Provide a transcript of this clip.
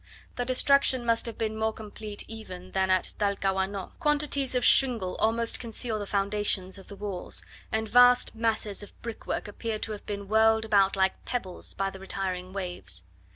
The destruction must have been more complete even than at Talcahuano. Quantities of shingle almost conceal the foundations of the walls, and vast masses of brickwork appear to have been whirled about like pebbles by the retiring waves.